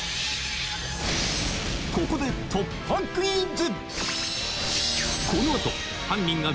ここで突破クイズ！